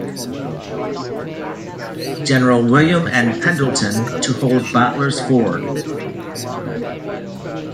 General William N. Pendleton, to hold Boteler's Ford.